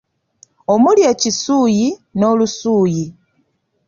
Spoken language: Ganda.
Omuli ekisuuyi n'olusuuyi.